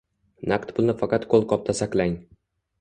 Naqd pulni faqat qo'lqopda saqlang